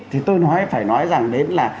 thì tôi nói phải nói rằng đến là